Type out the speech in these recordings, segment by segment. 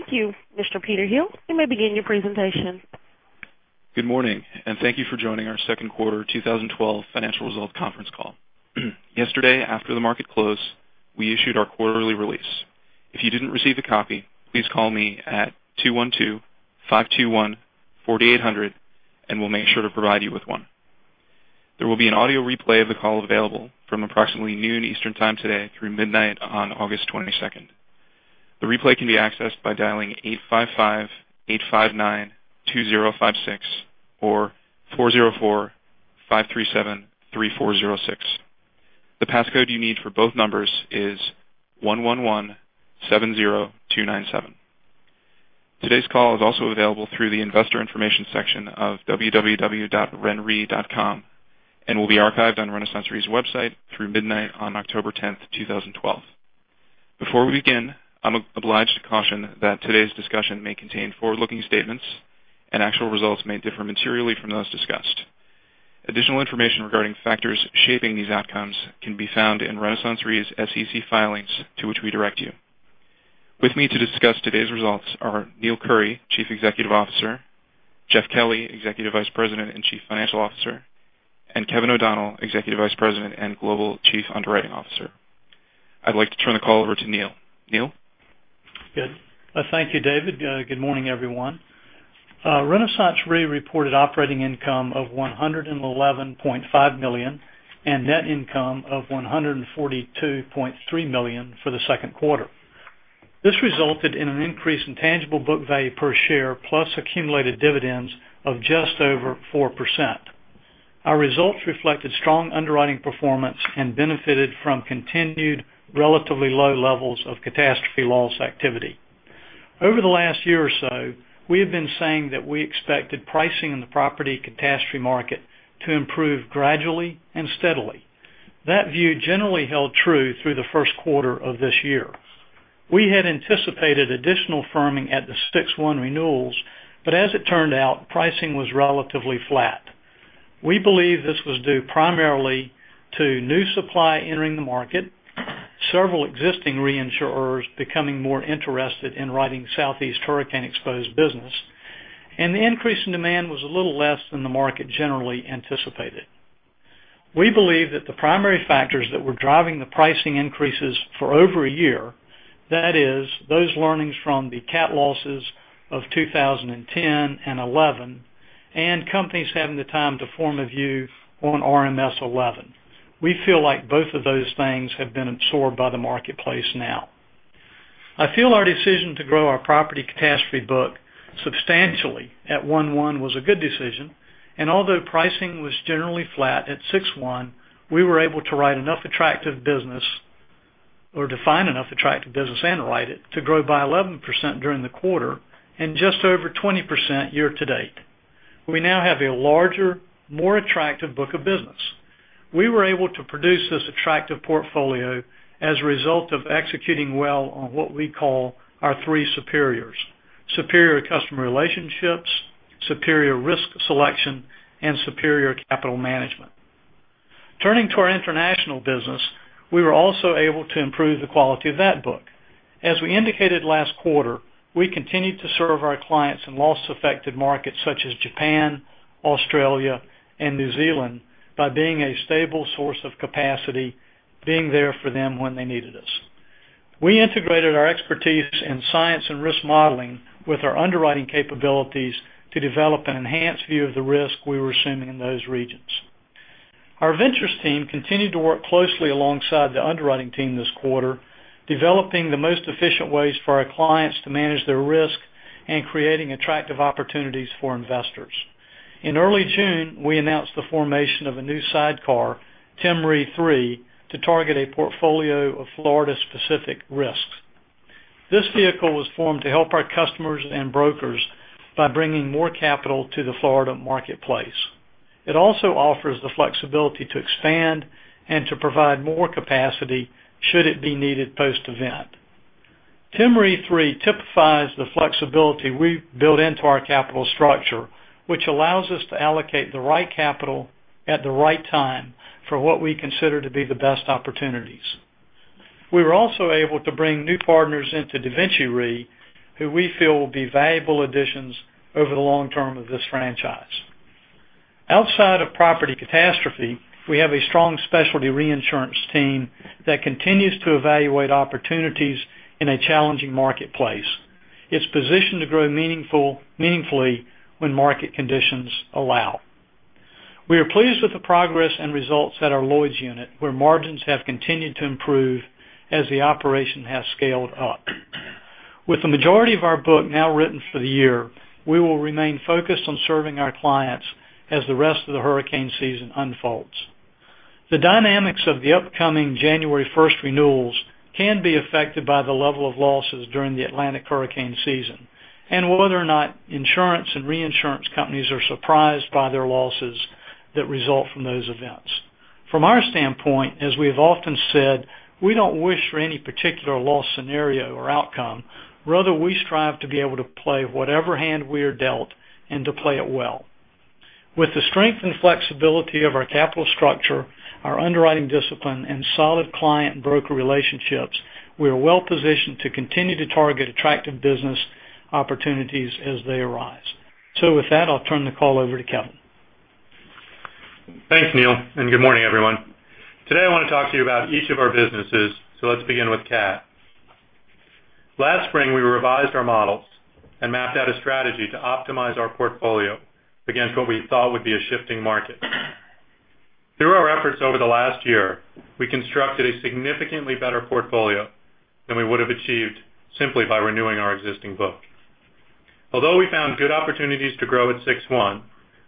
Thank you, Mr. Peter Hill. You may begin your presentation. Good morning, and thank you for joining our second quarter 2012 financial results conference call. Yesterday, after the market closed, we issued our quarterly release. If you didn't receive a copy, please call me at 212-521-4800 and we'll make sure to provide you with one. There will be an audio replay of the call available from approximately noon Eastern Time today through midnight on August 22nd. The replay can be accessed by dialing 855-859-2056 or 404-537-3406. The passcode you need for both numbers is 11170297. Today's call is also available through the investor information section of www.renre.com and will be archived on RenaissanceRe's website through midnight on October 10th, 2012. Before we begin, I'm obliged to caution that today's discussion may contain forward-looking statements and actual results may differ materially from those discussed. Additional information regarding factors shaping these outcomes can be found in RenaissanceRe's SEC filings to which we direct you. With me to discuss today's results are Neill Currie, Chief Executive Officer, Jeff Kelly, Executive Vice President and Chief Financial Officer, and Kevin O'Donnell, Executive Vice President and Global Chief Underwriting Officer. I'd like to turn the call over to Neill. Neill? Good. Thank you, Peter. Good morning, everyone. RenaissanceRe reported operating income of $111.5 million and net income of $142.3 million for the second quarter. This resulted in an increase in tangible book value per share plus accumulated dividends of just over 4%. Our results reflected strong underwriting performance and benefited from continued relatively low levels of catastrophe loss activity. Over the last year or so, we have been saying that we expected pricing in the property catastrophe market to improve gradually and steadily. That view generally held true through the first quarter of this year. We had anticipated additional firming at the 6-1 renewals, as it turned out, pricing was relatively flat. We believe this was due primarily to new supply entering the market, several existing reinsurers becoming more interested in writing Southeast hurricane exposed business. The increase in demand was a little less than the market generally anticipated. We believe that the primary factors that were driving the pricing increases for over a year, that is, those learnings from the cat losses of 2010 and 2011. Companies having the time to form a view on RMS 11. We feel like both of those things have been absorbed by the marketplace now. I feel our decision to grow our property catastrophe book substantially at 1/1 was a good decision, and although pricing was generally flat at 6/1, we were able to write enough attractive business or define enough attractive business and write it to grow by 11% during the quarter and just over 20% year-to-date. We now have a larger, more attractive book of business. We were able to produce this attractive portfolio as a result of executing well on what we call our three superiors: superior customer relationships, superior risk selection, and superior capital management. Turning to our international business, we were also able to improve the quality of that book. As we indicated last quarter, we continued to serve our clients in loss-affected markets such as Japan, Australia, and New Zealand by being a stable source of capacity, being there for them when they needed us. We integrated our expertise in science and risk modeling with our underwriting capabilities to develop an enhanced view of the risk we were assuming in those regions. Our ventures team continued to work closely alongside the underwriting team this quarter, developing the most efficient ways for our clients to manage their risk and creating attractive opportunities for investors. In early June, we announced the formation of a new sidecar, Tim Re III, to target a portfolio of Florida-specific risks. This vehicle was formed to help our customers and brokers by bringing more capital to the Florida marketplace. It also offers the flexibility to expand and to provide more capacity should it be needed post-event. Tim Re III typifies the flexibility we've built into our capital structure, which allows us to allocate the right capital at the right time for what we consider to be the best opportunities. We were also able to bring new partners into DaVinci Re, who we feel will be valuable additions over the long term of this franchise. Outside of property catastrophe, we have a strong specialty reinsurance team that continues to evaluate opportunities in a challenging marketplace. It's positioned to grow meaningfully when market conditions allow. We are pleased with the progress and results at our Lloyd's unit, where margins have continued to improve as the operation has scaled up. With the majority of our book now written for the year, we will remain focused on serving our clients as the rest of the hurricane season unfolds. The dynamics of the upcoming January 1st renewals can be affected by the level of losses during the Atlantic hurricane season and whether or not insurance and reinsurance companies are surprised by their losses that result from those events. From our standpoint, as we have often said, we don't wish for any particular loss scenario or outcome. Rather, we strive to be able to play whatever hand we are dealt and to play it well. With the strength and flexibility of our capital structure, our underwriting discipline, and solid client and broker relationships, we are well positioned to continue to target attractive business opportunities as they arise. With that, I'll turn the call over to Kevin. Thanks, Neill, and good morning, everyone. Today, I want to talk to you about each of our businesses, let's begin with cat. Last spring, we revised our models and mapped out a strategy to optimize our portfolio against what we thought would be a shifting market. Through our efforts over the last year, we constructed a significantly better portfolio than we would have achieved simply by renewing our existing book. Although we found good opportunities to grow at 6-1,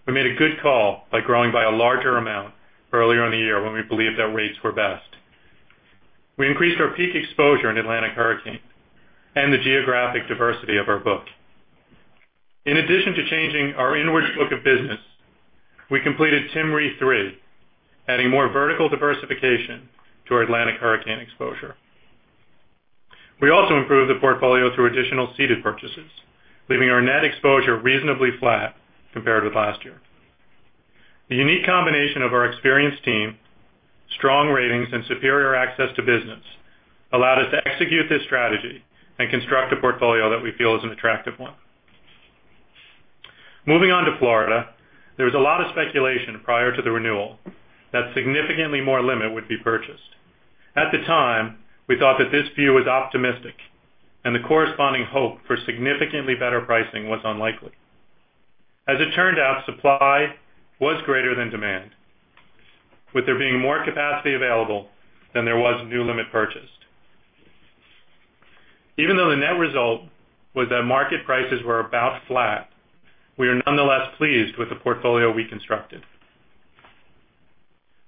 we made a good call by growing by a larger amount earlier in the year when we believed that rates were best. We increased our peak exposure in Atlantic hurricanes and the geographic diversity of our book. In addition to changing our inward book of business, we completed Tim Re III, adding more vertical diversification to our Atlantic hurricane exposure. We also improved the portfolio through additional ceded purchases, leaving our net exposure reasonably flat compared with last year. The unique combination of our experienced team, strong ratings, and superior access to business allowed us to execute this strategy and construct a portfolio that we feel is an attractive one. Moving on to Florida, there was a lot of speculation prior to the renewal that significantly more limit would be purchased. At the time, we thought that this view was optimistic, and the corresponding hope for significantly better pricing was unlikely. As it turned out, supply was greater than demand, with there being more capacity available than there was new limit purchased. Even though the net result was that market prices were about flat, we are nonetheless pleased with the portfolio we constructed.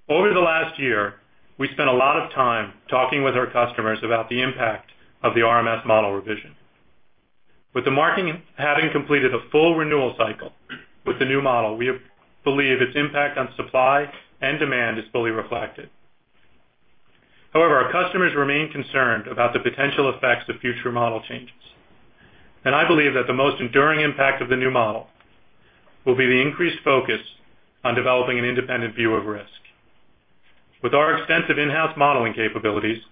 Over the last year, we spent a lot of time talking with our customers about the impact of the RMS model revision. With the market having completed a full renewal cycle with the new model, we believe its impact on supply and demand is fully reflected. However, our customers remain concerned about the potential effects of future model changes, and I believe that the most enduring impact of the new model will be the increased focus on developing an independent view of risk. With our extensive in-house modeling capabilities,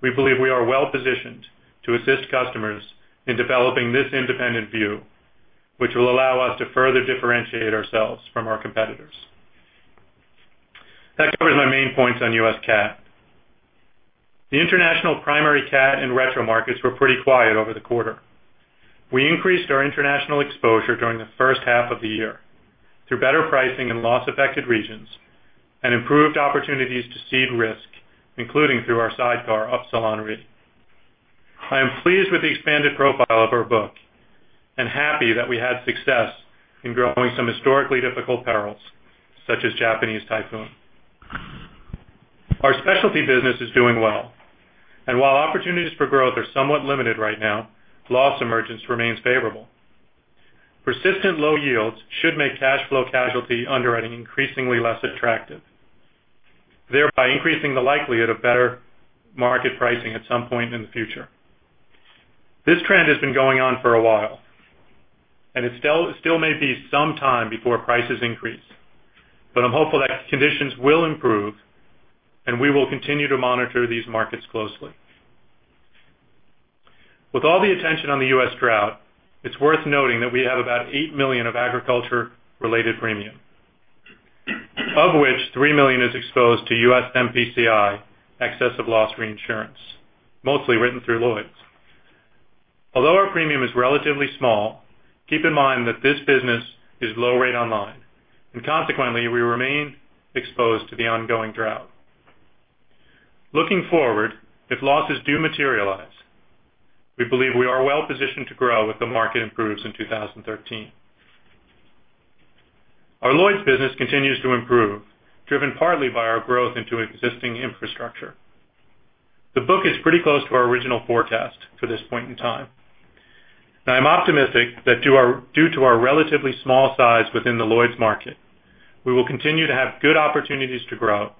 we believe we are well positioned to assist customers in developing this independent view, which will allow us to further differentiate ourselves from our competitors. That covers my main points on U.S. cat. The international primary cat and retro markets were pretty quiet over the quarter. We increased our international exposure during the first half of the year through better pricing in loss-affected regions and improved opportunities to cede risk, including through our sidecar, Upsilon Re. I am pleased with the expanded profile of our book and happy that we had success in growing some historically difficult perils, such as Japanese typhoon. Our specialty business is doing well, and while opportunities for growth are somewhat limited right now, loss emergence remains favorable. Persistent low yields should make cash flow casualty underwriting increasingly less attractive, thereby increasing the likelihood of better market pricing at some point in the future. This trend has been going on for a while, and it still may be some time before prices increase. I'm hopeful that conditions will improve, and we will continue to monitor these markets closely. With all the attention on the U.S. drought, it's worth noting that we have about $8 million of agriculture-related premium, of which $3 million is exposed to U.S. MPCI excess of loss reinsurance, mostly written through Lloyd's. Our premium is relatively small, keep in mind that this business is low rate on line, and consequently, we remain exposed to the ongoing drought. Looking forward, if losses do materialize, we believe we are well positioned to grow if the market improves in 2013. Our Lloyd's business continues to improve, driven partly by our growth into existing infrastructure. The book is pretty close to our original forecast for this point in time. I'm optimistic that due to our relatively small size within the Lloyd's market, we will continue to have good opportunities to grow,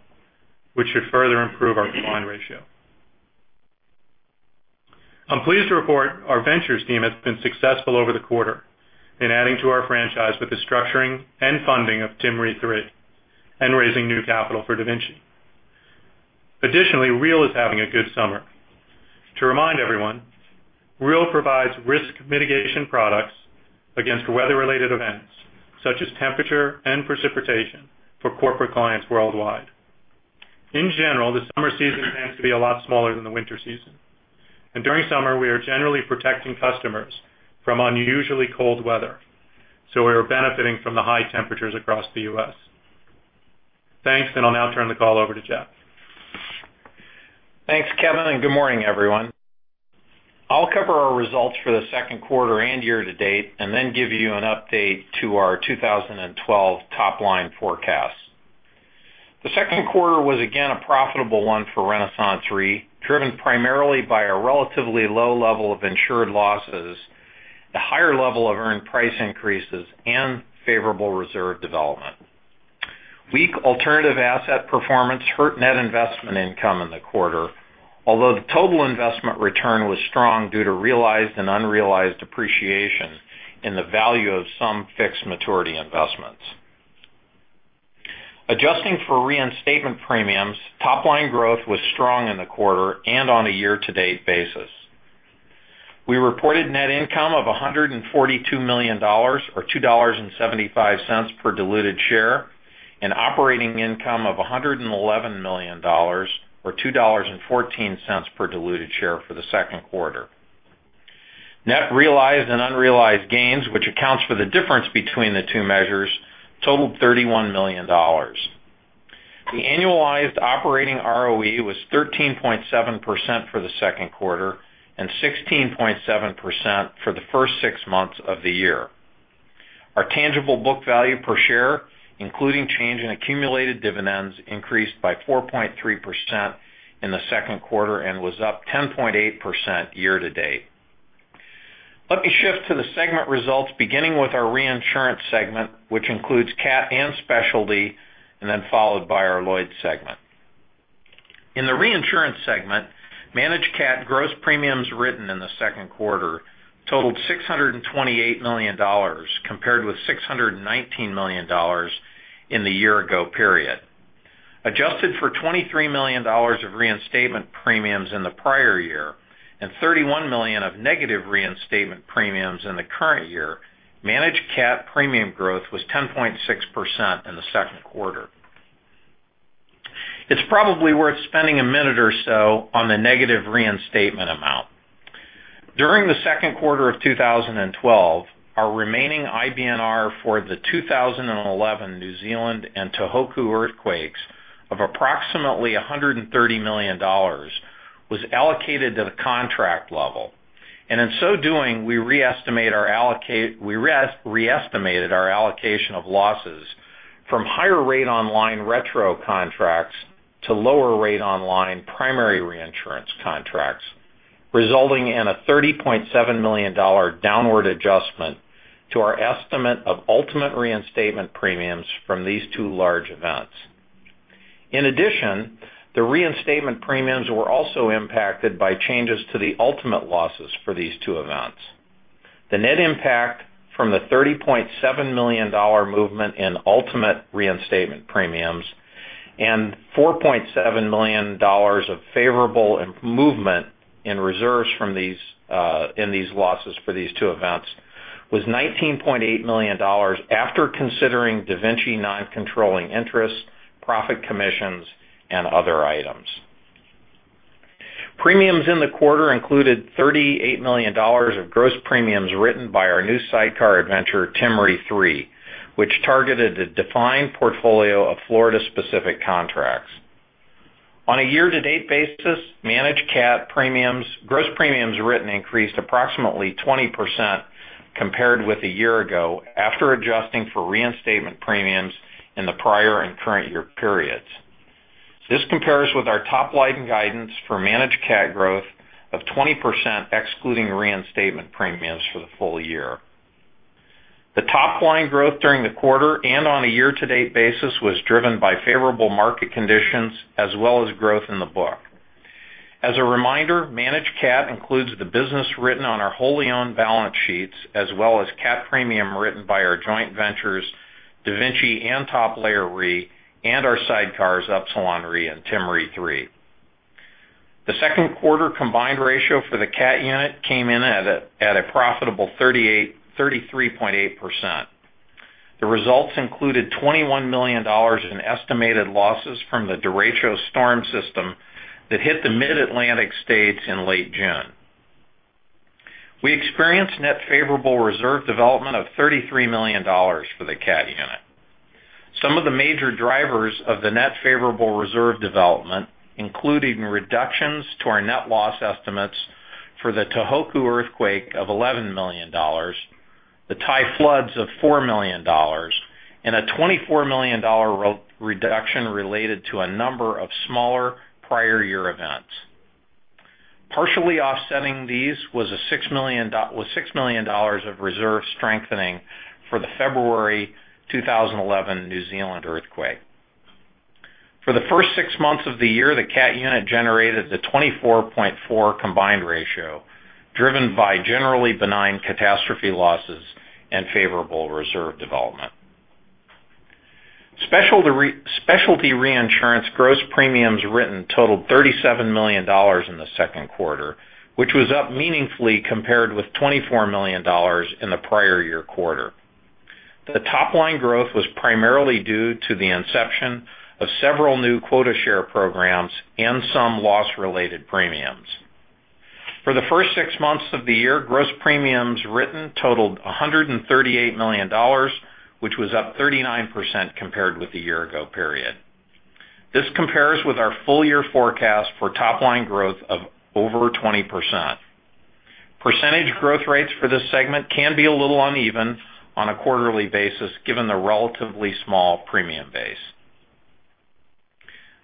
which should further improve our combined ratio. I'm pleased to report our ventures team has been successful over the quarter in adding to our franchise with the structuring and funding of Tim Re III and raising new capital for DaVinci. REAL is having a good summer. To remind everyone, REAL provides risk mitigation products against weather-related events such as temperature and precipitation for corporate clients worldwide. In general, the summer season tends to be a lot smaller than the winter season. During summer, we are generally protecting customers from unusually cold weather, so we are benefiting from the high temperatures across the U.S. Thanks. I'll now turn the call over to Jeff. Thanks, Kevin. Good morning, everyone. I'll cover our results for the second quarter and year to date and then give you an update to our 2012 top-line forecast. The second quarter was again a profitable one for RenaissanceRe, driven primarily by a relatively low level of insured losses, the higher level of earned price increases, and favorable reserve development. Weak alternative asset performance hurt net investment income in the quarter, although the total investment return was strong due to realized and unrealized appreciation in the value of some fixed maturity investments. Adjusting for reinstatement premiums, top-line growth was strong in the quarter and on a year-to-date basis. We reported net income of $142 million, or $2.75 per diluted share, and operating income of $111 million, or $2.14 per diluted share for the second quarter. Net realized and unrealized gains, which account for the difference between the two measures, totaled $31 million. The annualized operating ROE was 13.7% for the second quarter and 16.7% for the first six months of the year. Our tangible book value per share, including change in accumulated dividends, increased by 4.3% in the second quarter and was up 10.8% year to date. Let me shift to the segment results, beginning with our reinsurance segment, which includes cat and specialty, followed by our Lloyd's segment. In the reinsurance segment, managed cat gross premiums written in the second quarter totaled $628 million, compared with $619 million in the year ago period. Adjusted for $23 million of reinstatement premiums in the prior year and $31 million of negative reinstatement premiums in the current year, managed cat premium growth was 10.6% in the second quarter. It's probably worth spending a minute or so on the negative reinstatement amount. During the second quarter of 2012, our remaining IBNR for the 2011 New Zealand and Tohoku earthquakes of approximately $130 million was allocated to the contract level. In so doing, we re-estimated our allocation of losses from higher rate on line retro contracts to lower rate on line primary reinsurance contracts, resulting in a $30.7 million downward adjustment to our estimate of ultimate reinstatement premiums from these two large events. In addition, the reinstatement premiums were also impacted by changes to the ultimate losses for these two events. The net impact from the $30.7 million movement in ultimate reinstatement premiums and $4.7 million of favorable movement in reserves in these losses for these two events was $19.8 million after considering DaVinci non-controlling interests, profit commissions, and other items. Premiums in the quarter included $38 million of gross premiums written by our new sidecar adventure, Tim Re III, which targeted a defined portfolio of Florida-specific contracts. On a year-to-date basis, managed cat gross premiums written increased approximately 20% compared with a year ago after adjusting for reinstatement premiums in the prior and current year periods. This compares with our top-line guidance for managed cat growth of 20% excluding reinstatement premiums for the full year. The top line growth during the quarter and on a year-to-date basis was driven by favorable market conditions as well as growth in the book. As a reminder, managed cat includes the business written on our wholly owned balance sheets, as well as cat premium written by our joint ventures, DaVinci and Top Layer Re, and our sidecars, Upsilon Re and Tim Re III. The second quarter combined ratio for the cat unit came in at a profitable 33.8%. The results included $21 million in estimated losses from the derecho storm system that hit the mid-Atlantic states in late June. We experienced net favorable reserve development of $33 million for the cat unit. Some of the major drivers of the net favorable reserve development included reductions to our net loss estimates for the Tohoku earthquake of $11 million, the Thai floods of $4 million, and a $24 million reduction related to a number of smaller prior year events. Partially offsetting these was $6 million of reserve strengthening for the February 2011 New Zealand earthquake. For the first six months of the year, the cat unit generated a 24.4% combined ratio driven by generally benign catastrophe losses and favorable reserve development. Specialty reinsurance gross premiums written totaled $37 million in the second quarter, which was up meaningfully compared with $24 million in the prior year quarter. The top line growth was primarily due to the inception of several new quota share programs and some loss related premiums. For the first six months of the year, gross premiums written totaled $138 million, which was up 39% compared with the year ago period. This compares with our full year forecast for top line growth of over 20%. Percentage growth rates for this segment can be a little uneven on a quarterly basis given the relatively small premium base.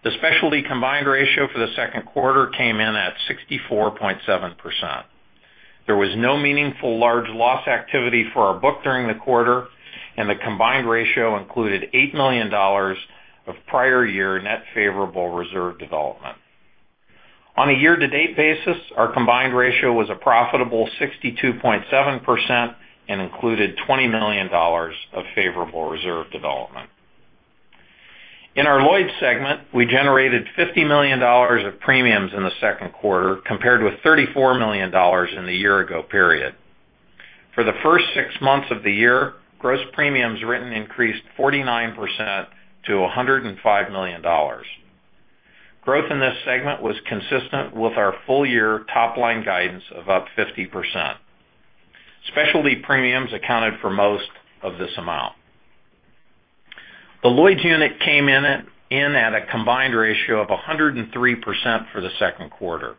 The specialty combined ratio for the second quarter came in at 64.7%. There was no meaningful large loss activity for our book during the quarter, and the combined ratio included $8 million of prior year net favorable reserve development. On a year-to-date basis, our combined ratio was a profitable 62.7% and included $20 million of favorable reserve development. In our Lloyd's segment, we generated $50 million of premiums in the second quarter, compared with $34 million in the year ago period. For the first six months of the year, gross premiums written increased 49% to $105 million. Growth in this segment was consistent with our full year top-line guidance of up 50%. Specialty premiums accounted for most of this amount. The Lloyd's unit came in at a combined ratio of 103% for the second quarter.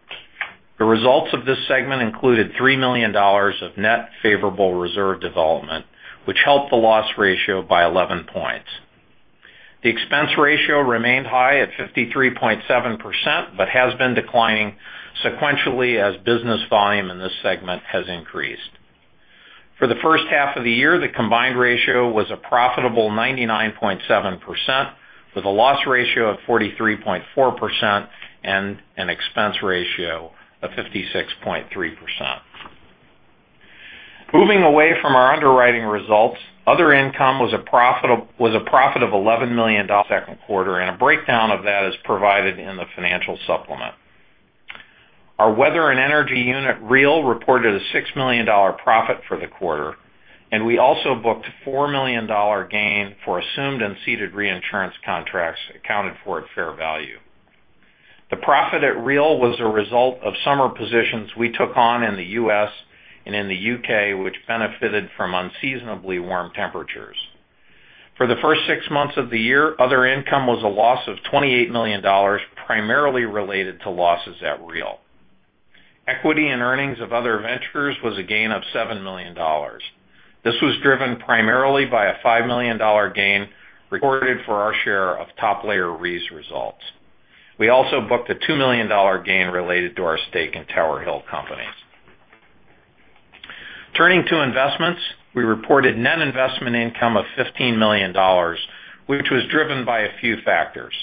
The results of this segment included $3 million of net favorable reserve development, which helped the loss ratio by 11 points. The expense ratio remained high at 53.7%, but has been declining sequentially as business volume in this segment has increased. For the first half of the year, the combined ratio was a profitable 99.7%, with a loss ratio of 43.4% and an expense ratio of 56.3%. Moving away from our underwriting results, other income was a profit of $11 million second quarter, and a breakdown of that is provided in the financial supplement. Our weather and energy unit, REAL, reported a $6 million profit for the quarter, and we also booked a $4 million gain for assumed and ceded reinsurance contracts accounted for at fair value. The profit at REAL was a result of summer positions we took on in the U.S. and in the U.K., which benefited from unseasonably warm temperatures. For the first six months of the year, other income was a loss of $28 million, primarily related to losses at REAL. Equity and earnings of other ventures was a gain of $7 million. This was driven primarily by a $5 million gain recorded for our share of Top Layer Re's results. We also booked a $2 million gain related to our stake in Tower Hill Companies. Turning to investments, we reported net investment income of $15 million, which was driven by a few factors.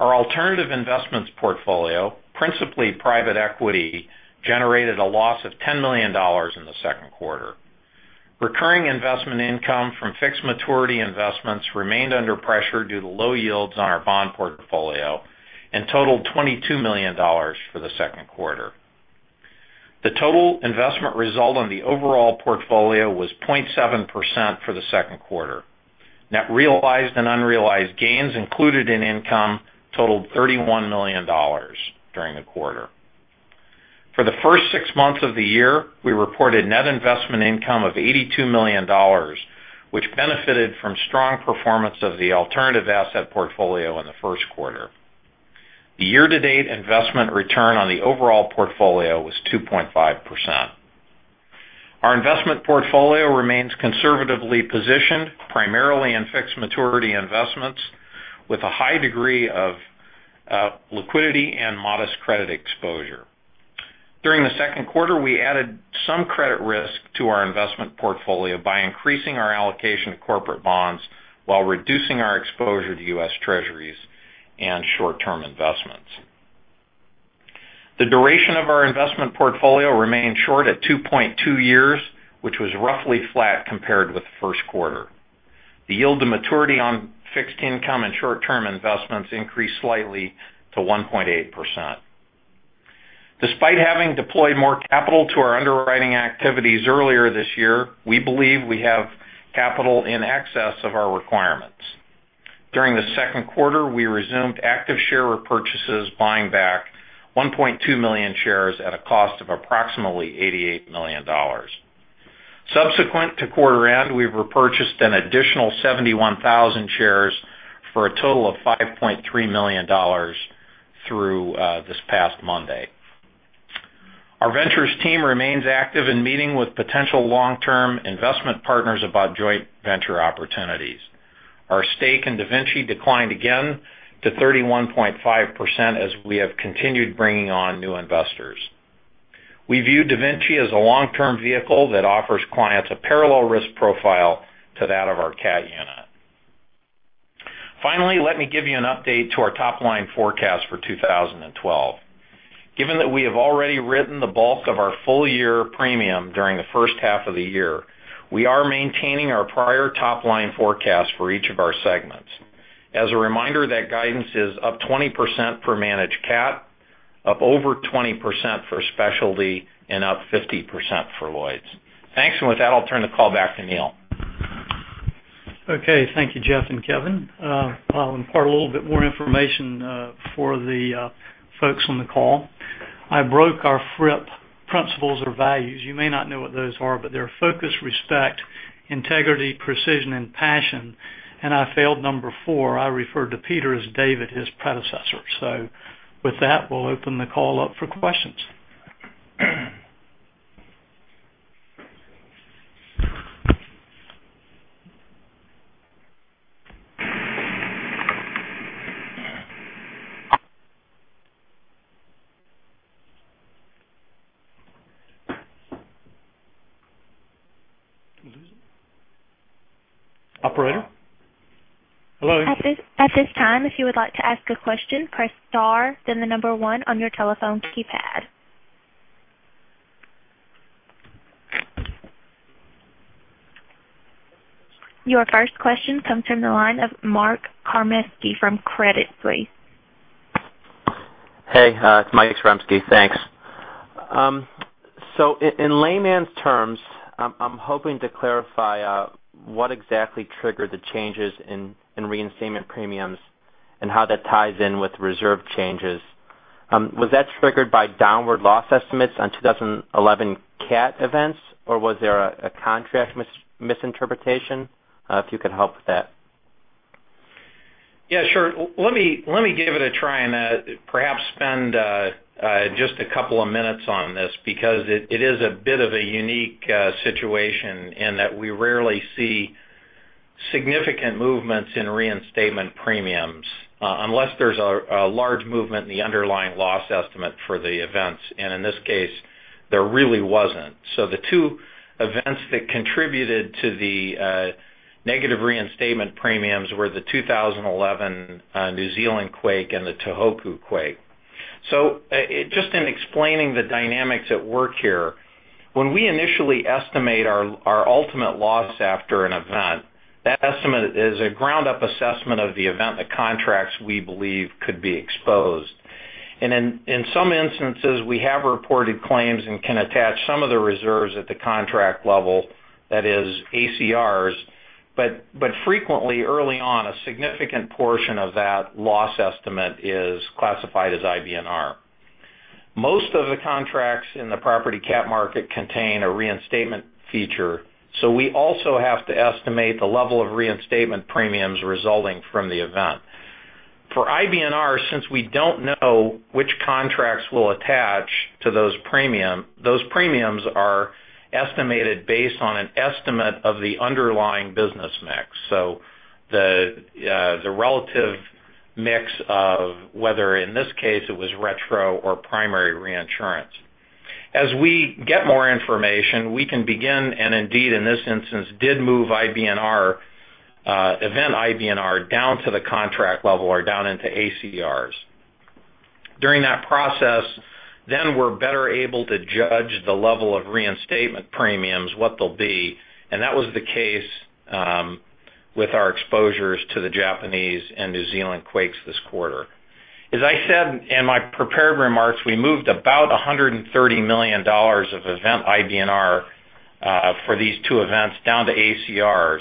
Our alternative investments portfolio, principally private equity, generated a loss of $10 million in the second quarter. Recurring investment income from fixed maturity investments remained under pressure due to low yields on our bond portfolio and totaled $22 million for the second quarter. The total investment result on the overall portfolio was 0.7% for the second quarter. Net realized and unrealized gains included in income totaled $31 million during the quarter. For the first six months of the year, we reported net investment income of $82 million, which benefited from strong performance of the alternative asset portfolio in the first quarter. The year-to-date investment return on the overall portfolio was 2.5%. Our investment portfolio remains conservatively positioned, primarily in fixed maturity investments with a high degree of liquidity and modest credit exposure. During the second quarter, we added some credit risk to our investment portfolio by increasing our allocation to corporate bonds while reducing our exposure to U.S. Treasuries and short-term investments. The duration of our investment portfolio remained short at 2.2 years, which was roughly flat compared with the first quarter. The yield to maturity on fixed income and short-term investments increased slightly to 1.8%. Despite having deployed more capital to our underwriting activities earlier this year, we believe we have capital in excess of our requirements. During the second quarter, we resumed active share repurchases, buying back 1.2 million shares at a cost of approximately $88 million. Subsequent to quarter end, we've repurchased an additional 71,000 shares for a total of $5.3 million through this past Monday. Our ventures team remains active in meeting with potential long-term investment partners about joint venture opportunities. Our stake in DaVinci declined again to 31.5% as we have continued bringing on new investors. We view DaVinci as a long-term vehicle that offers clients a parallel risk profile to that of our cat unit. Finally, let me give you an update to our top-line forecast for 2012. Given that we have already written the bulk of our full-year premium during the first half of the year, we are maintaining our prior top-line forecast for each of our segments. As a reminder, that guidance is up 20% for managed cat, up over 20% for specialty, and up 50% for Lloyd's. Thanks. With that, I'll turn the call back to Neill. Okay. Thank you, Jeff and Kevin. I'll impart a little bit more information for the folks on the call. I broke our FRIP principles or values. You may not know what those are, but they're focus, respect, integrity, precision, and passion, and I failed number 4. I referred to Peter as David, his predecessor. With that, we'll open the call up for questions. Operator? Hello? At this time, if you would like to ask a question, press star then the number one on your telephone keypad. Your first question comes from the line of Mike Zaremski from Credit Suisse. Hey, it's Mike Zaremski. Thanks. In layman's terms, I'm hoping to clarify what exactly triggered the changes in reinstatement premiums and how that ties in with reserve changes. Was that triggered by downward loss estimates on 2011 cat events? Was there a contract misinterpretation? If you could help with that. Yeah, sure. Let me give it a try and perhaps spend just a couple of minutes on this because it is a bit of a unique situation in that we rarely see significant movements in reinstatement premiums unless there's a large movement in the underlying loss estimate for the events. In this case, there really wasn't. The two events that contributed to the negative reinstatement premiums were the 2011 New Zealand quake and the Tohoku quake. Just in explaining the dynamics at work here, when we initially estimate our ultimate loss after an event, that estimate is a ground-up assessment of the event and contracts we believe could be exposed. In some instances, we have reported claims and can attach some of the reserves at the contract level, that is ACRs. Frequently, early on, a significant portion of that loss estimate is classified as IBNR. Most of the contracts in the property cat market contain a reinstatement feature, so we also have to estimate the level of reinstatement premiums resulting from the event. For IBNR, since we don't know which contracts will attach to those premium, those premiums are estimated based on an estimate of the underlying business mix. The relative mix of whether, in this case, it was retro or primary reinsurance. As we get more information, we can begin, and indeed in this instance, did move event IBNR down to the contract level or down into ACRs. During that process, we're better able to judge the level of reinstatement premiums, what they'll be, and that was the case with our exposures to the Japanese and New Zealand quakes this quarter. As I said in my prepared remarks, we moved about $130 million of event IBNR for these two events down to ACRs,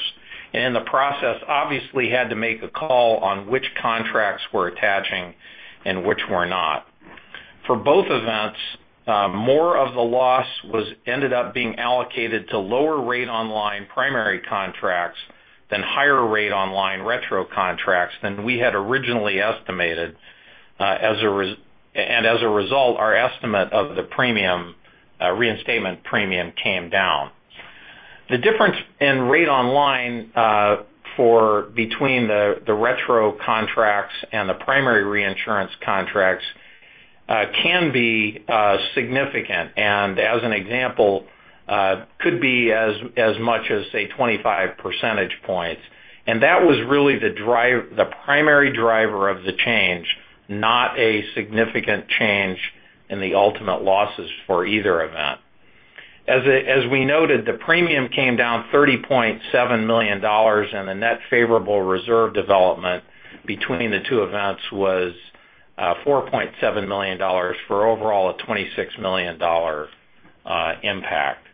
and in the process, obviously had to make a call on which contracts were attaching and which were not. For both events, more of the loss ended up being allocated to lower rate on line primary contracts than higher rate on line retro contracts than we had originally estimated. As a result, our estimate of the reinstatement premium came down. The difference in rate on line between the retro contracts and the primary reinsurance contracts can be significant and as an example could be as much as, say, 25 percentage points. That was really the primary driver of the change, not a significant change in the ultimate losses for either event. As we noted, the premium came down $30.7 million and the net favorable reserve development between the two events was $4.7 million for overall a $26 million impact.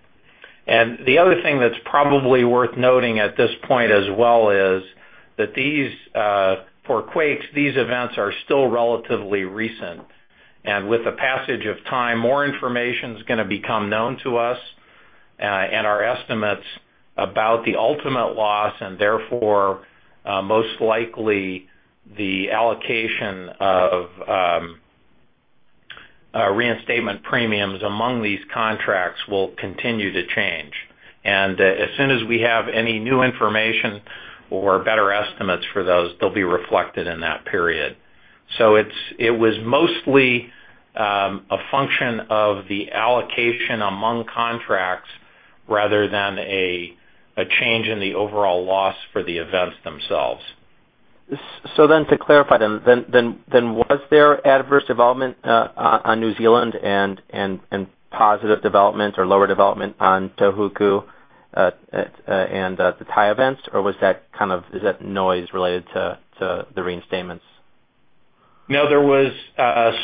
The other thing that's probably worth noting at this point as well is that for quakes, these events are still relatively recent, and with the passage of time, more information is going to become known to us and our estimates about the ultimate loss, and therefore, most likely, the allocation of reinstatement premiums among these contracts will continue to change. As soon as we have any new information or better estimates for those, they'll be reflected in that period. It was mostly a function of the allocation among contracts rather than a change in the overall loss for the events themselves. To clarify then was there adverse development on New Zealand and positive development or lower development on Tohoku and the Thai events, or is that noise related to the reinstatements? No, there was, I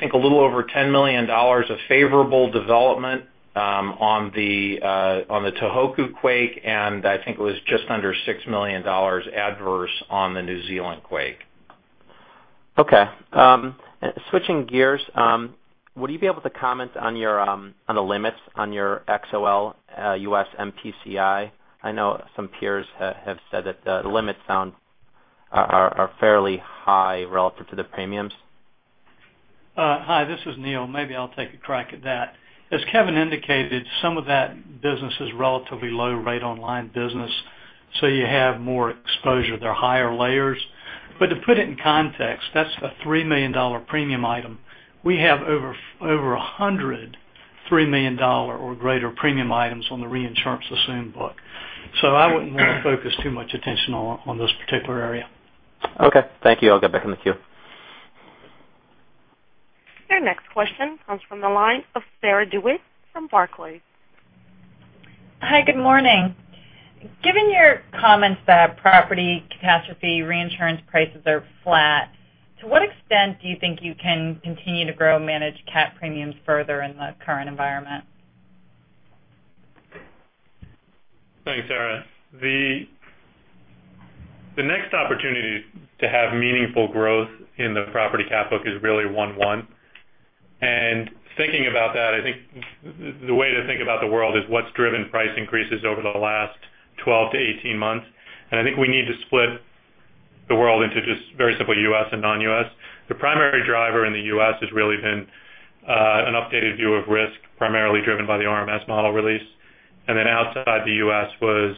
think, a little over $10 million of favorable development on the Tohoku quake, and I think it was just under $6 million adverse on the New Zealand quake. Okay. Switching gears, would you be able to comment on the limits on your XOL U.S. MPCI? I know some peers have said that the limits are fairly high relative to the premiums. Hi, this is Neill. Maybe I'll take a crack at that. As Kevin indicated, some of that business is relatively low rate on line business, you have more exposure. There are higher layers. To put it in context, that's a $3 million premium item. We have over 100 $3 million or greater premium items on the reinsurance assumed book. I wouldn't want to focus too much attention on this particular area. Okay. Thank you. I'll go back in the queue. Your next question comes from the line of Sarah DeWitt from Barclays. Hi, good morning. Given your comments that property catastrophe reinsurance prices are flat, to what extent do you think you can continue to grow managed cat premiums further in the current environment? Thanks, Sarah. The next opportunity to have meaningful growth in the property cat book is really 1/1. Thinking about that, I think the way to think about the world is what's driven price increases over the last 12-18 months. I think we need to split the world into just very simple U.S. and non-U.S. The primary driver in the U.S. has really been an updated view of risk, primarily driven by the RMS model release. Outside the U.S. was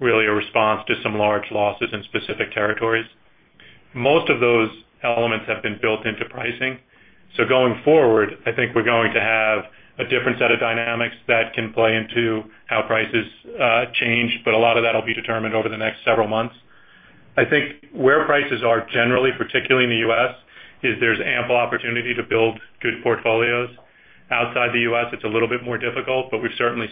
really a response to some large losses in specific territories. Most of those elements have been built into pricing. Going forward, I think we're going to have a different set of dynamics that can play into how prices change, but a lot of that will be determined over the next several months. I think where prices are generally, particularly in the U.S., is there's ample opportunity to build good portfolios. Outside the U.S., it's a little bit more difficult, but we've certainly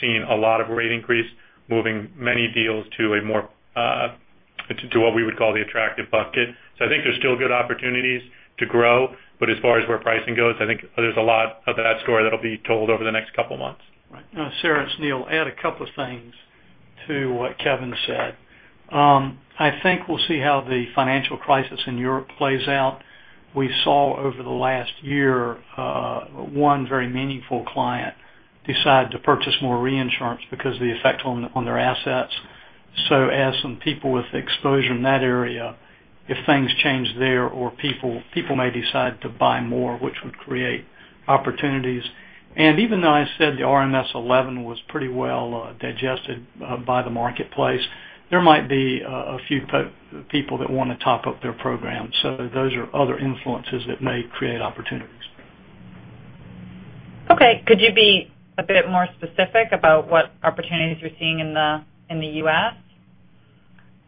seen a lot of rate increase, moving many deals to what we would call the attractive bucket. I think there's still good opportunities to grow. As far as where pricing goes, I think there's a lot of that story that'll be told over the next couple of months. Right. Sarah, it's Neill. Add a couple of things to what Kevin said. I think we'll see how the financial crisis in Europe plays out. We saw over the last year, one very meaningful client decide to purchase more reinsurance because of the effect on their assets. As some people with exposure in that area, if things change there or people may decide to buy more, which would create opportunities. Even though I said the RMS 11 was pretty well digested by the marketplace, there might be a few people that want to top up their program. Those are other influences that may create opportunities. Okay, could you be a bit more specific about what opportunities you're seeing in the U.S.?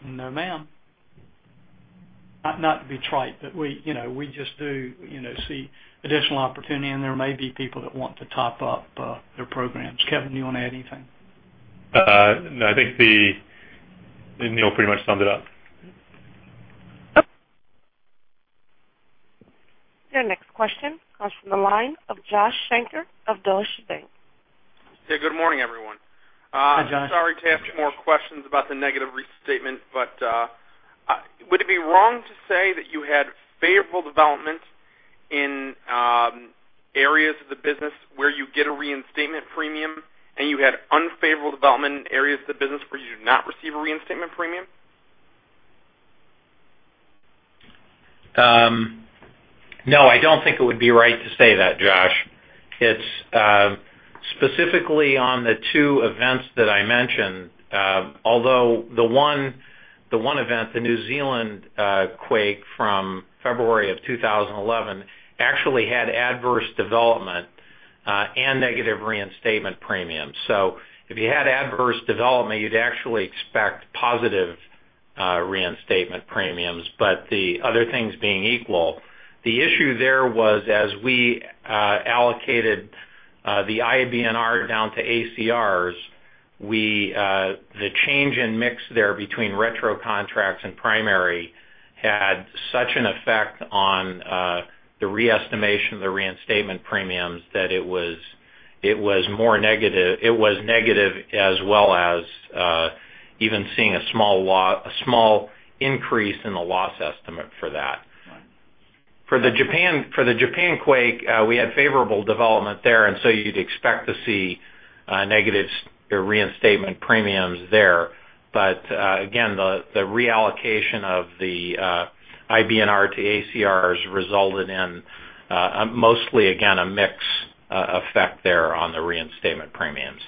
No, ma'am. Not to be trite, but we just do see additional opportunity, and there may be people that want to top up their programs. Kevin, do you want to add anything? No, I think Neill pretty much summed it up. Okay. Your next question comes from the line of Joshua Shanker of Deutsche Bank. Yeah. Good morning, everyone. Hi, Josh. Sorry to ask two more questions about the negative reinstatement, would it be wrong to say that you had favorable development in areas of the business where you get a reinstatement premium, and you had unfavorable development in areas of the business where you do not receive a reinstatement premium? No, I don't think it would be right to say that, Josh. It's specifically on the two events that I mentioned. Although the one event, the New Zealand quake from February of 2011, actually had adverse development and negative reinstatement premiums. If you had adverse development, you'd actually expect positive reinstatement premiums. The other things being equal, the issue there was as we allocated the IBNR down to ACRs, the change in mix there between retro contracts and primary had such an effect on the re-estimation of the reinstatement premiums that it was negative as well as even seeing a small increase in the loss estimate for that. Right. For the Japan quake, we had favorable development there, you'd expect to see negative reinstatement premiums there. Again, the reallocation of the IBNR to ACRs resulted in mostly, again, a mix effect there on the reinstatement premiums.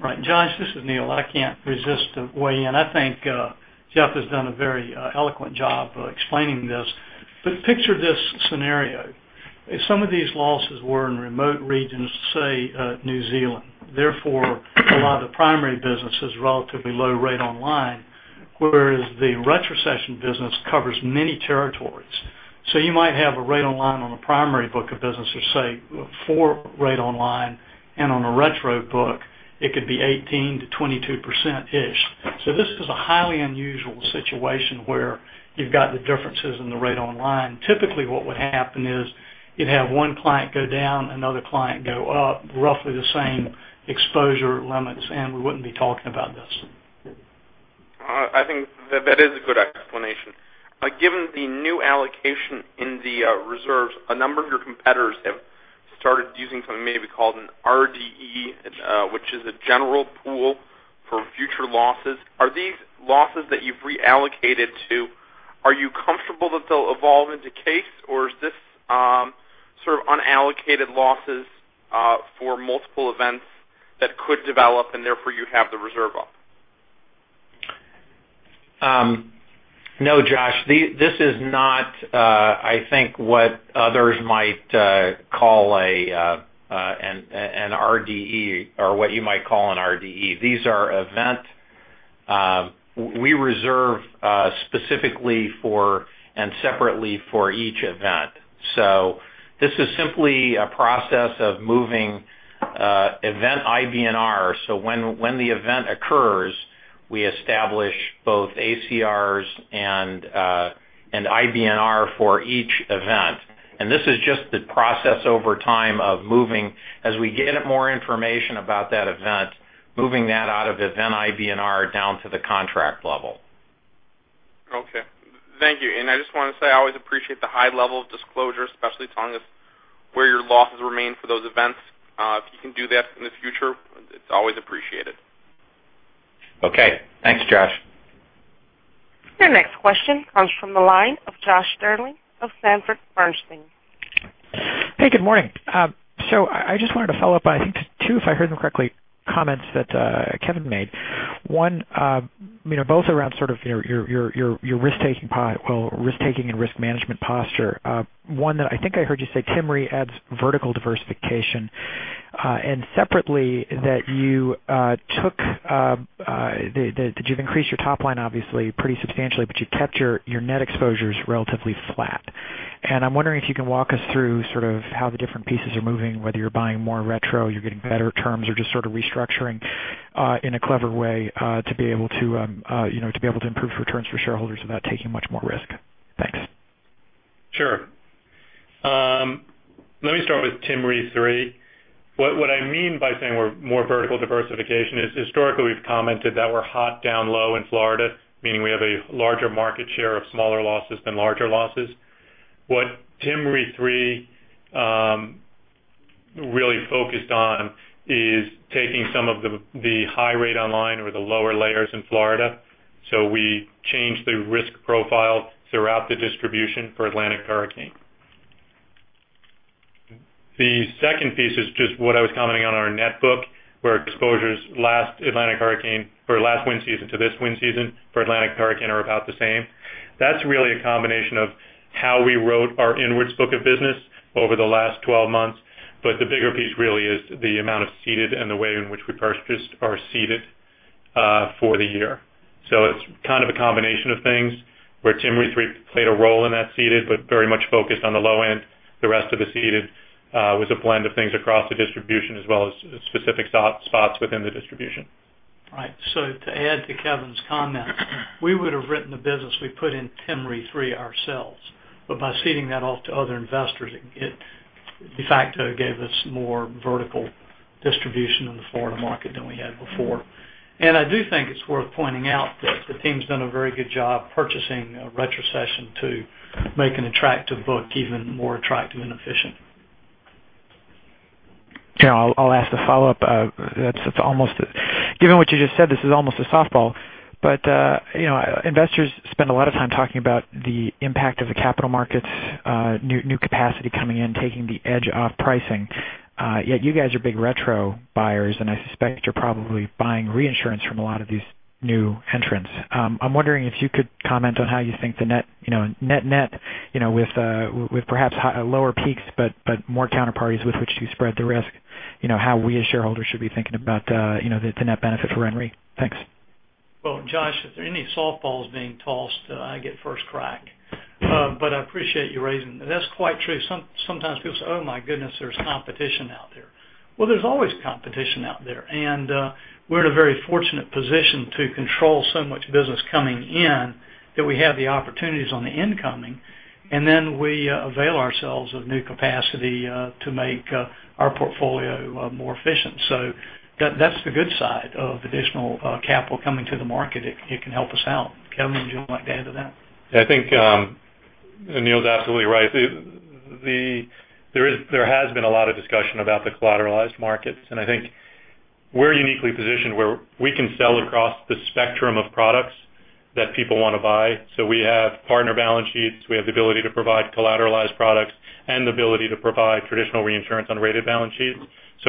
Right. Josh, this is Neill. I can't resist to weigh in. I think Jeff has done a very eloquent job of explaining this. Picture this scenario. If some of these losses were in remote regions, say New Zealand, therefore a lot of the primary business is relatively low rate on line, whereas the retrocession business covers many territories. You might have a rate on line on the primary book of business of, say, four rate on line, and on a retro book, it could be 18% to 22%-ish. This is a highly unusual situation where you've got the differences in the rate on line. Typically, what would happen is you'd have one client go down, another client go up, roughly the same exposure limits, and we wouldn't be talking about this. I think that is a good explanation. Given the new allocation in the reserves, a number of your competitors have started using something maybe called an RDE, which is a general pool for future losses. Are these losses that you've reallocated to, are you comfortable that they'll evolve into case? Or is this sort of unallocated losses for multiple events that could develop and therefore you have the reserve up? No, Josh. This is not what others might call an RDE or what you might call an RDE. We reserve specifically for and separately for each event. This is simply a process of moving event IBNR. When the event occurs, we establish both ACRs and IBNR for each event. This is just the process over time of moving, as we get more information about that event, moving that out of event IBNR down to the contract level. Okay. Thank you. I just want to say, I always appreciate the high level of disclosure, especially telling us where your losses remain for those events. If you can do that in the future, it's always appreciated. Okay. Thanks, Josh. Your next question comes from the line of Josh Sterling of Sanford Bernstein. Good morning. I just wanted to follow up on, I think two, if I heard them correctly, comments that Kevin made. One, both around sort of your risk-taking and risk management posture. One that I think I heard you say, Tim Re adds vertical diversification. Separately that you've increased your top line obviously pretty substantially, but you've kept your net exposures relatively flat. I'm wondering if you can walk us through how the different pieces are moving, whether you're buying more retro, you're getting better terms, or just sort of restructuring in a clever way to be able to improve returns for shareholders without taking much more risk. Thanks. Sure. Let me start with Tim Re III. What I mean by saying we're more vertical diversification is historically we've commented that we're hot down low in Florida, meaning we have a larger market share of smaller losses than larger losses. What Tim Re III really focused on is taking some of the high rate on line or the lower layers in Florida. We changed the risk profile throughout the distribution for Atlantic hurricane. The second piece is just what I was commenting on our net book, where exposures last Atlantic hurricane or last wind season to this wind season for Atlantic hurricane are about the same. That's really a combination of how we wrote our inwards book of business over the last 12 months. The bigger piece really is the amount of ceded and the way in which we purchased our ceded for the year. It's kind of a combination of things where Tim Re III played a role in that ceded but very much focused on the low end. The rest of the ceded was a blend of things across the distribution as well as specific spots within the distribution. Right. To add to Kevin's comment, we would have written the business we put in Tim Re III ourselves. By ceding that off to other investors, it de facto gave us more vertical distribution in the Florida market than we had before. I do think it's worth pointing out that the team's done a very good job purchasing a retrocession to make an attractive book even more attractive and efficient. Yeah, I'll ask the follow-up. Given what you just said, this is almost a softball, but investors spend a lot of time talking about the impact of the capital markets, new capacity coming in, taking the edge off pricing. Yet you guys are big retro buyers, and I suspect you're probably buying reinsurance from a lot of these new entrants. I'm wondering if you could comment on how you think the net net, with perhaps lower peaks but more counterparties with which to spread the risk, how we as shareholders should be thinking about the net benefit for RenRe. Thanks. Well, Josh, if there are any softballs being tossed, I get first crack. I appreciate you raising that. That's quite true. Sometimes people say, "Oh my goodness, there's competition out there." There's always competition out there, and we're in a very fortunate position to control so much business coming in that we have the opportunities on the incoming, and then we avail ourselves of new capacity to make our portfolio more efficient. That's the good side of additional capital coming to the market. It can help us out. Kevin, would you like to add to that? I think Neill's absolutely right. There has been a lot of discussion about the collateralized markets, and I think we're uniquely positioned where we can sell across the spectrum of products that people want to buy. We have partner balance sheets. We have the ability to provide collateralized products and the ability to provide traditional reinsurance on rated balance sheets.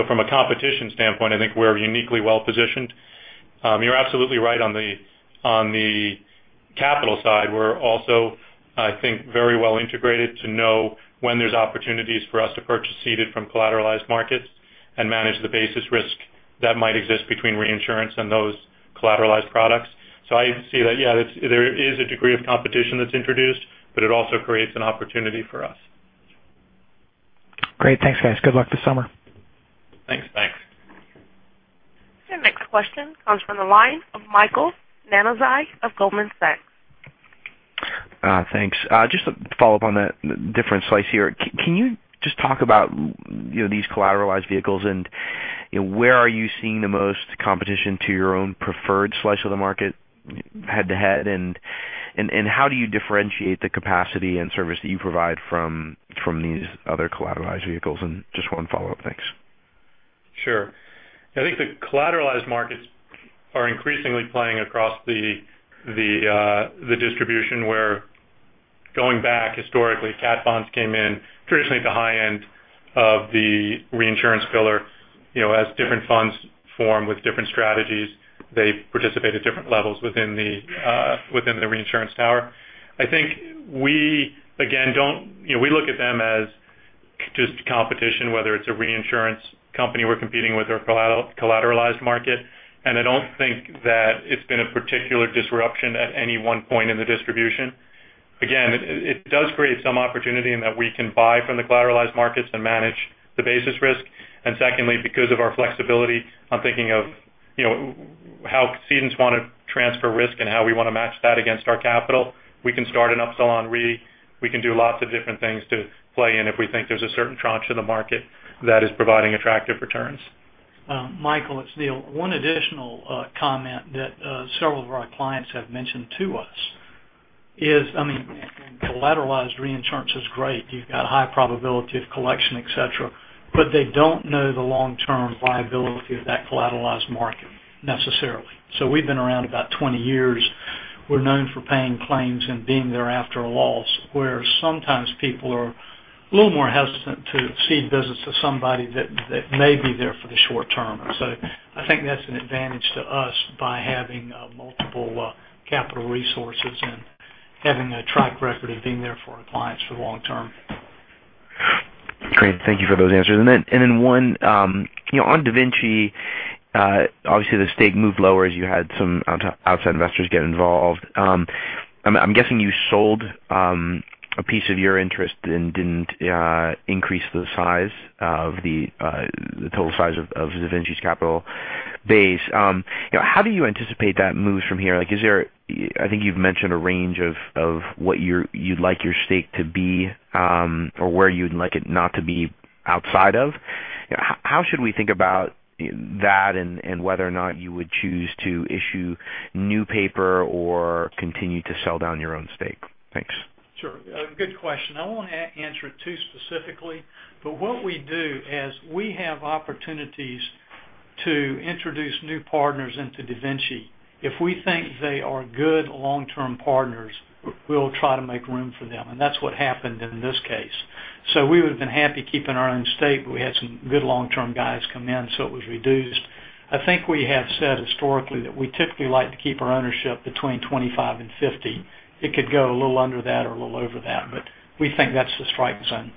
From a competition standpoint, I think we're uniquely well-positioned. You're absolutely right on the capital side. We're also, I think, very well integrated to know when there's opportunities for us to purchase ceded from collateralized markets and manage the basis risk that might exist between reinsurance and those collateralized products. I see that, yeah, there is a degree of competition that's introduced, but it also creates an opportunity for us. Great. Thanks, guys. Good luck this summer. Thanks. Thanks. Your next question comes from the line of Michael Nannizzi of Goldman Sachs. Thanks. Just to follow up on that different slice here, can you just talk about these collateralized vehicles? Where are you seeing the most competition to your own preferred slice of the market head-to-head? How do you differentiate the capacity and service that you provide from these other collateralized vehicles? Just one follow-up. Thanks. Sure. I think the collateralized markets are increasingly playing across the distribution where going back historically, cat bonds came in traditionally at the high end of the reinsurance pillar. As different funds form with different strategies, they participate at different levels within the reinsurance tower. I think we look at them as just competition, whether it's a reinsurance company we're competing with or collateralized market, and I don't think that it's been a particular disruption at any one point in the distribution. Again, it does create some opportunity in that we can buy from the collateralized markets and manage the basis risk, and secondly, because of our flexibility, I'm thinking of how cedents want to transfer risk and how we want to match that against our capital. We can start an Upsilon Re. We can do lots of different things to play in if we think there's a certain tranche of the market that is providing attractive returns. Michael, it's Neill. One additional comment that several of our clients have mentioned to us is, collateralized reinsurance is great. You've got high probability of collection, et cetera, but they don't know the long-term viability of that collateralized market necessarily. We've been around about 20 years. We're known for paying claims and being there after a loss, where sometimes people are a little more hesitant to cede business to somebody that may be there for the short term. I think that's an advantage to us by having multiple capital resources and having a track record of being there for our clients for the long term. Great. Thank you for those answers. Then one, on DaVinci, obviously the stake moved lower as you had some outside investors get involved. I'm guessing you sold a piece of your interest and didn't increase the total size of DaVinci's capital base. How do you anticipate that moves from here? I think you've mentioned a range of what you'd like your stake to be or where you'd like it not to be outside of. How should we think about that and whether or not you would choose to issue new paper or continue to sell down your own stake? Thanks. Sure. Good question. I won't answer it too specifically, but what we do as we have opportunities to introduce new partners into DaVinci, if we think they are good long-term partners, we'll try to make room for them, and that's what happened in this case. We would've been happy keeping our own stake, but we had some good long-term guys come in, so it was reduced. I think we have said historically that we typically like to keep our ownership between 25 and 50. It could go a little under that or a little over that, but we think that's the strike zone.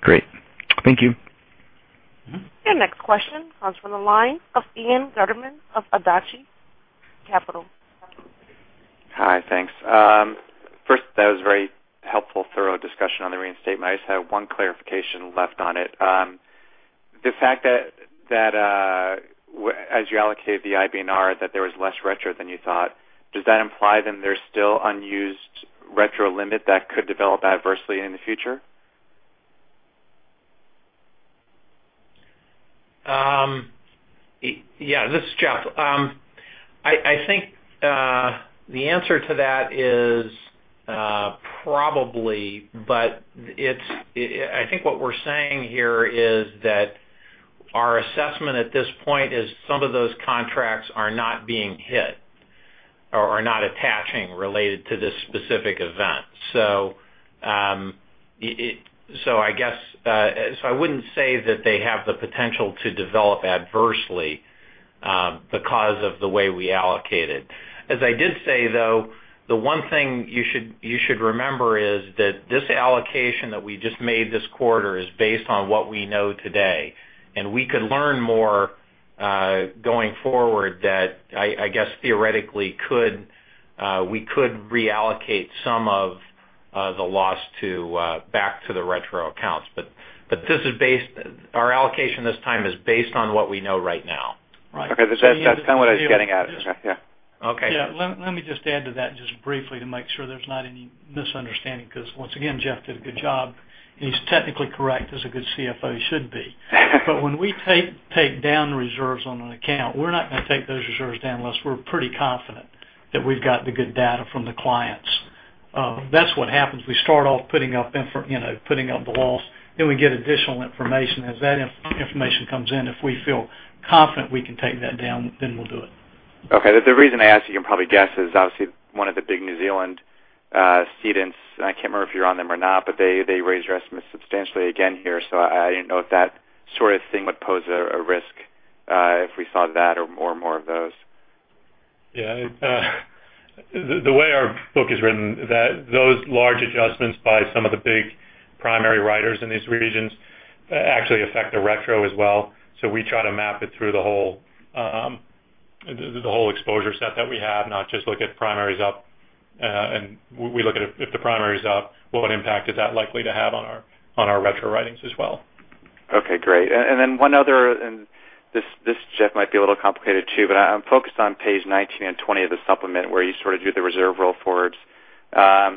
Great. Thank you. Your next question comes from the line of Ian Gutterman of Adage Capital. Hi. Thanks. First, that was a very helpful, thorough discussion on the reinstatement. I just have one clarification left on it. The fact that as you allocate the IBNR, that there was less retro than you thought, does that imply then there's still unused retro limit that could develop adversely in the future? Yeah. This is Jeff. I think the answer to that is probably, but I think what we're saying here is that our assessment at this point is some of those contracts are not being hit or are not attaching related to this specific event. I wouldn't say that they have the potential to develop adversely because of the way we allocate it. As I did say, though, the one thing you should remember is that this allocation that we just made this quarter is based on what we know today, and we could learn more going forward that, I guess theoretically, we could reallocate some of the loss back to the retro accounts. Our allocation this time is based on what we know right now. Okay. That's kind of what I was getting at. Okay. Yeah. Let me just add to that just briefly to make sure there's not any misunderstanding because once again, Jeff did a good job and he's technically correct as a good CFO he should be. But when we take down the reserves on an account, we're not going to take those reserves down unless we're pretty confident that we've got the good data from the clients. That's what happens. We start off putting up the loss, then we get additional information. As that information comes in, if we feel confident we can take that down, then we'll do it. The reason I ask, you can probably guess, is obviously one of the big New Zealand cedents, and I can't remember if you're on them or not, but they raised your estimate substantially again here. I didn't know if that sort of thing would pose a risk if we saw that or more of those. The way our book is written, those large adjustments by some of the big primary writers in these regions actually affect the retro as well. We try to map it through the whole exposure set that we have, not just look at primaries up. And we look at if the primary's up, what impact is that likely to have on our retro writings as well. Okay, great. Then one other, and this, Jeff, might be a little complicated too, I'm focused on page 19 and 20 of the supplement where you sort of do the reserve roll forwards. I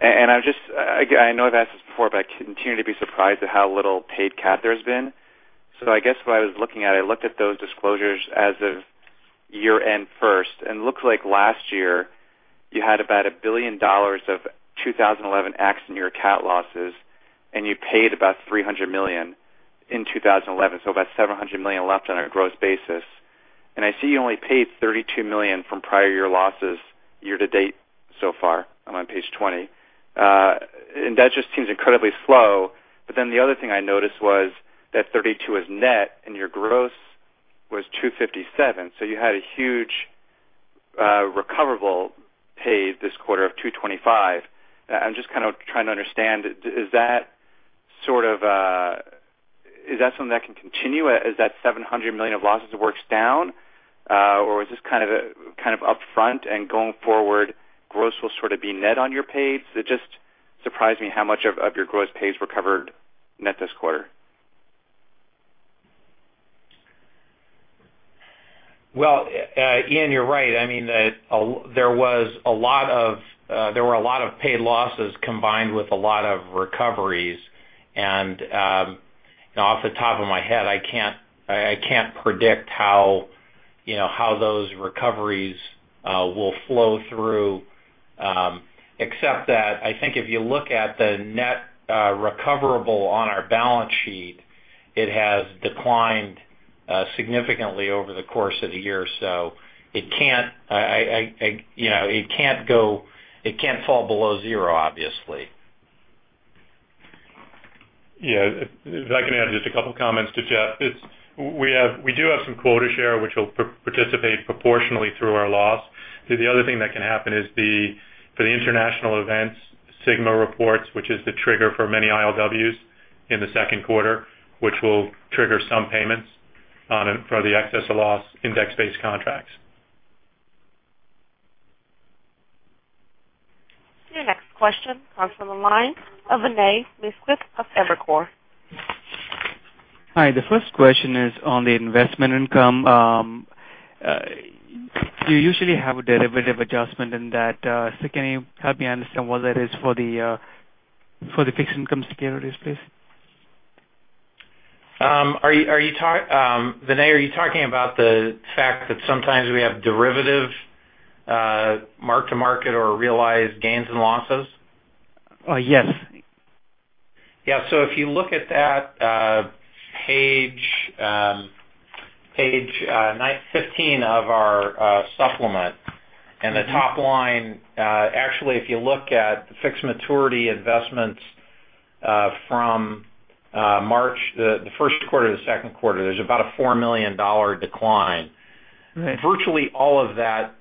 know I've asked this before, I continue to be surprised at how little paid cat there has been. I guess what I was looking at, I looked at those disclosures as of year-end first, it looks like last year you had about $1 billion of 2011 accident year cat losses, you paid about $300 million in 2011, about $700 million left on a gross basis. I see you only paid $32 million from prior year losses year to date so far. I'm on page 20. That just seems incredibly slow. The other thing I noticed was that 32 is net and your gross was 257, so you had a huge recoverable paid this quarter of 225. I'm just kind of trying to understand, is that something that can continue? Is that $700 million of losses works down? Or is this kind of upfront and going forward, gross will sort of be net on your paid? It just surprised me how much of your gross paid was recovered net this quarter. Well, Ian, you're right. There were a lot of paid losses combined with a lot of recoveries. Off the top of my head, I can't predict how those recoveries will flow through. Except that I think if you look at the net recoverable on our balance sheet, it has declined significantly over the course of the year. It can't fall below zero, obviously. Yeah. If I can add just a couple of comments to Jeff. We do have some quota share, which will participate proportionally through our loss. The other thing that can happen is for the international events sigma reports, which is the trigger for many ILWs in the second quarter, which will trigger some payments for the excess of loss index-based contracts. Your next question comes from the line of Vinay Misquith of Evercore. Hi. The first question is on the investment income. You usually have a derivative adjustment in that. Can you help me understand what that is for the fixed income securities, please? Vinay, are you talking about the fact that sometimes we have derivative mark-to-market or realized gains and losses? Yes. Yeah. If you look at that, page 15 of our supplement and the top line. Actually, if you look at fixed maturity investments from the first quarter to the second quarter, there's about a $4 million decline. Okay. Virtually all of that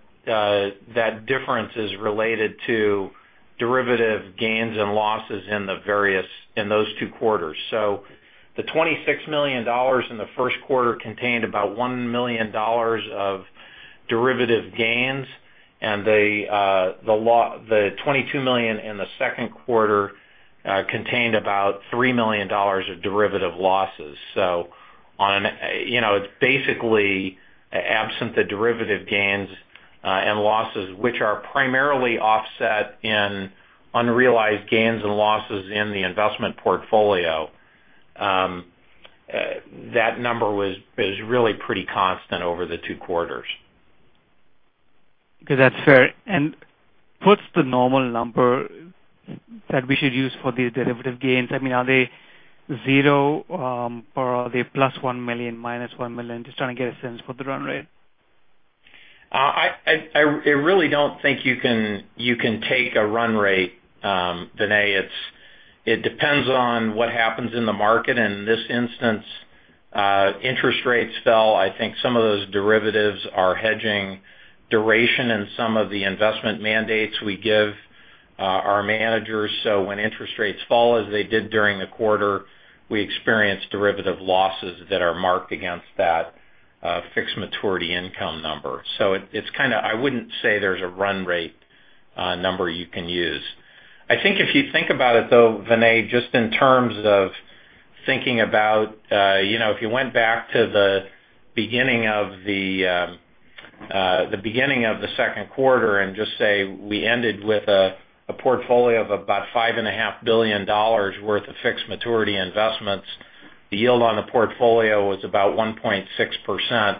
difference is related to derivative gains and losses in those two quarters. The $26 million in the first quarter contained about $1 million of derivative gains, and the $22 million in the second quarter contained about $3 million of derivative losses. It's basically absent the derivative gains and losses, which are primarily offset in unrealized gains and losses in the investment portfolio. That number was really pretty constant over the two quarters. Okay, that's fair. What's the normal number that we should use for these derivative gains? Are they zero or are they +$1 million, -$1 million? Just trying to get a sense for the run rate. I really don't think you can take a run rate, Vinay. It depends on what happens in the market. In this instance, interest rates fell. I think some of those derivatives are hedging duration in some of the investment mandates we give our managers. When interest rates fall as they did during the quarter, we experience derivative losses that are marked against that fixed maturity income number. I wouldn't say there's a run rate number you can use. I think if you think about it, though, Vinay, just in terms of thinking about if you went back to the beginning of the second quarter and just say we ended with a portfolio of about $5.5 billion worth of fixed maturity investments, the yield on the portfolio was about 1.6%.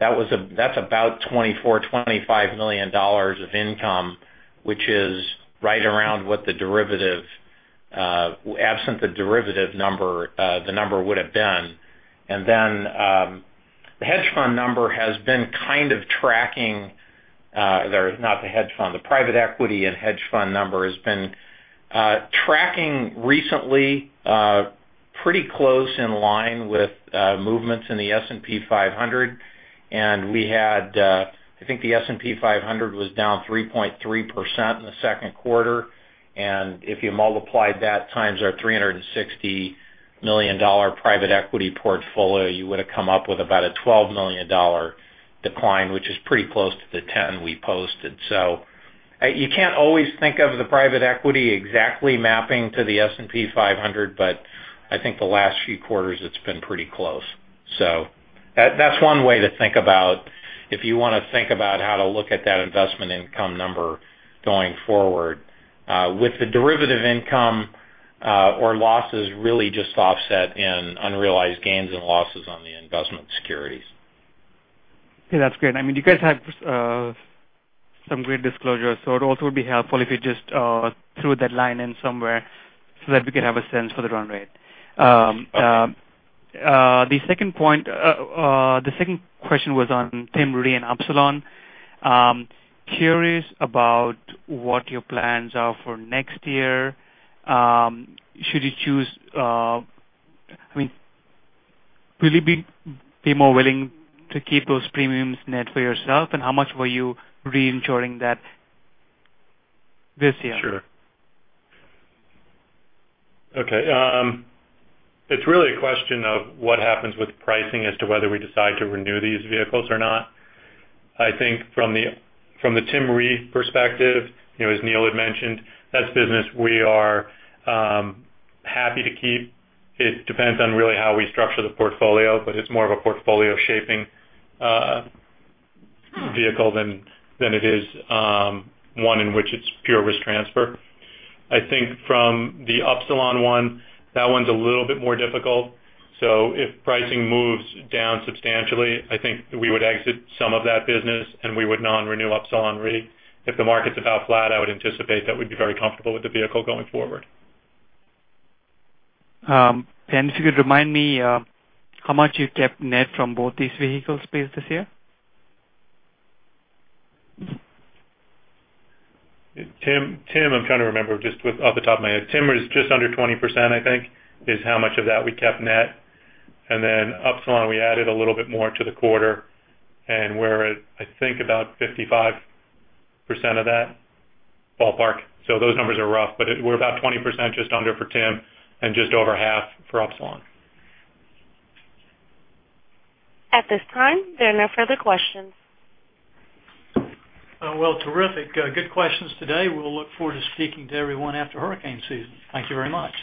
That's about $24, $25 million of income, which is right around what the derivative, absent the derivative number, the number would have been. Then the hedge fund number has been kind of tracking, not the hedge fund, the private equity and hedge fund number has been tracking recently pretty close in line with movements in the S&P 500. I think the S&P 500 was down 3.3% in the second quarter. If you multiplied that times our $360 million private equity portfolio, you would have come up with about a $12 million decline, which is pretty close to the $10 million we posted. You can't always think of the private equity exactly mapping to the S&P 500, but I think the last few quarters it's been pretty close. That's one way to think about if you want to think about how to look at that investment income number going forward. With the derivative income or losses really just offset in unrealized gains and losses on the investment securities. Okay, that's great. You guys have some great disclosure. It also would be helpful if you just threw that line in somewhere so that we can have a sense for the run rate. The second question was on Tim Re and Upsilon. Curious about what your plans are for next year. Will you be more willing to keep those premiums net for yourself? How much were you re-insuring that this year? Sure. Okay. It's really a question of what happens with pricing as to whether we decide to renew these vehicles or not. I think from the Tim Re perspective, as Neill had mentioned, that's business we are happy to keep. It depends on really how we structure the portfolio, but it's more of a portfolio-shaping vehicle than it is one in which it's pure risk transfer. I think from the Upsilon one, that one's a little bit more difficult. If pricing moves down substantially, I think we would exit some of that business, and we would non-renew Upsilon Re. If the market's about flat, I would anticipate that we'd be very comfortable with the vehicle going forward. If you could remind me how much you kept net from both these vehicles, please, this year? Tim, I'm trying to remember just with off the top of my head. Tim was just under 20%, I think, is how much of that we kept net. Then Upsilon, we added a little bit more to the quarter, and we're at, I think, about 55% of that ballpark. Those numbers are rough, but we're about 20% just under for Tim and just over half for Upsilon. At this time, there are no further questions. Well, terrific. Good questions today. We'll look forward to speaking to everyone after hurricane season. Thank you very much.